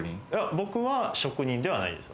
僕は職人ではないです。